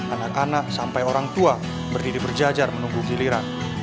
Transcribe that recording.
anak anak sampai orang tua berdiri berjajar menunggu giliran